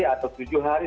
atau tujuh hari